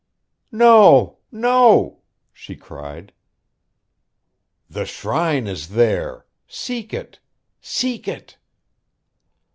"No! No!" she cried. "The shrine is there. Seek it! Seek it!"